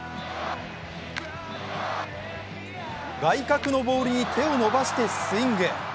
外角のボールに手を伸ばしてスイング。